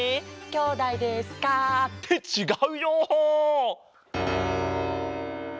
きょうだいですか？ってちがうよ！